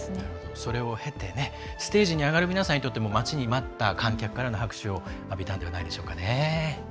それを経てステージに上がる皆さんにとっても待ちに待った観客からの拍手を浴びたのではないでしょうか。